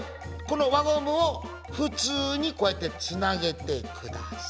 この輪ゴムを普通にこうやってつなげてください。